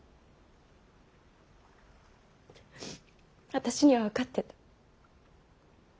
私には分かってた。